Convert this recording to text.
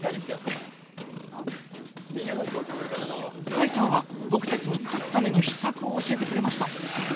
甲斐さんは僕たちに勝つための秘策を教えてくれました